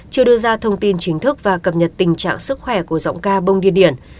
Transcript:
chưa đưa ra thông tin chính thức và cập nhật tình trạng sức khỏe của giọng ca bông địa điển